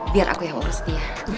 biar aku yang urus dia